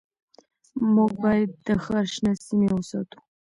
موږ باید د ښار شنه سیمې وساتو